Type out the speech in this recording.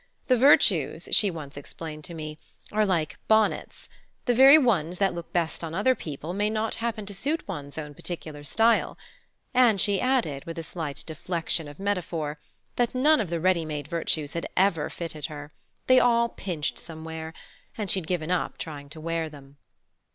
The virtues, she once explained to me, are like bonnets: the very ones that look best on other people may not happen to suit one's own particular style; and she added, with a slight deflection of metaphor, that none of the ready made virtues ever had fitted her: they all pinched somewhere, and she'd given up trying to wear them.